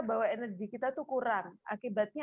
bahwa energi kita tuh kurang akibatnya